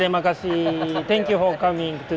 terima kasih sudah datang ke sini